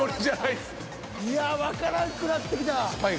いやわからんくなってきた。